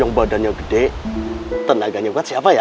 yang badannya gede tenaganya buat siapa ya